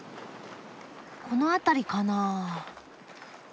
この辺りかな？